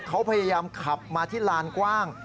เขาพยายามขับมาที่ลานกว้าง